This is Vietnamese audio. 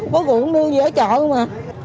nó không có vụ đưa về chợ đâu mà